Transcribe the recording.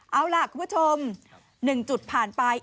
เอาล่ะคุณผู้ชม๑จุดผ่านไป